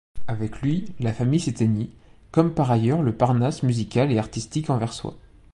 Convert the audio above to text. Avec lui, la famille s'éteignit, comme par ailleurs le Parnasse musical et artistique anversois.